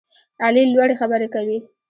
علي لوړې خبرې کوي.